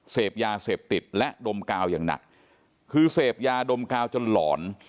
เสพยาเสพติดและดมกาวอย่างหนักคือเสพยาดมกาวจนหลอน